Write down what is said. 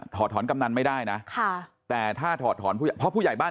ถอดถอนกำนันไม่ได้นะแต่ถอดถอนผู้ใหญ่บ้าน